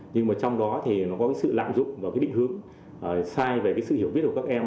nhưng mà trong đó thì nó có sự lạm dụng và bị hướng sai về sự hiểu biết của các em